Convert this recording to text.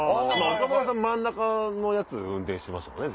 岡村さん真ん中のやつ運転してましたもんね